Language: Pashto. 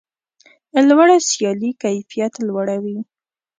لوړه سیالي کیفیت لوړوي.